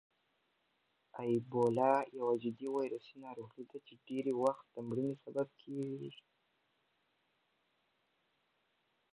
اېبولا یوه جدي ویروسي ناروغي ده چې ډېری وخت د مړینې سبب کېږي.